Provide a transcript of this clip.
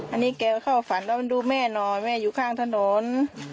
อันนี้แกเข้าฝันแล้วมันดูแม่หน่อยแม่อยู่ข้างถนน